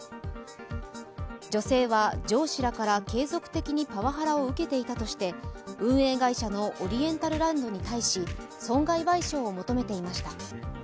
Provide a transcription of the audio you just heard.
女性は、上司らから継続的にパワハラを受けていたとして運営会社のオリエンタルランドに対し損害賠償を求めていました。